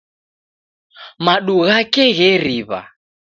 Madu ghake gheriw'a